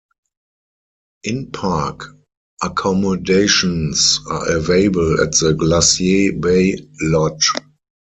In-park accommodations are available at the Glacier Bay Lodge.